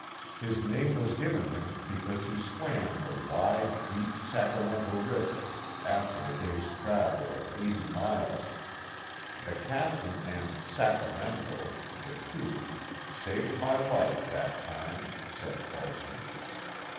His name was given him because he swam the wide deep Sacramento River after a day's travel of eighty miles. "The Captain and * Sacramento' the two saved my life that time," said Carson.